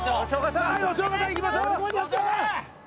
さあ吉岡さんいきましょう！